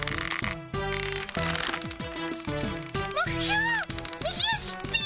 目標右足っピ！